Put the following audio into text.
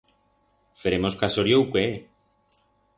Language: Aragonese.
Feremos casorio u qué?